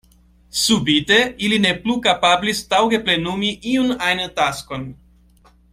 Subite, ili ne plu kapablis taŭge plenumi iun ajn taskon.